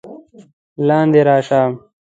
لاندې راشه!